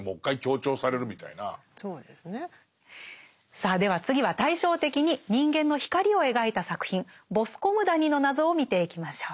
さあでは次は対照的に人間の光を描いた作品「ボスコム谷の謎」を見ていきましょう。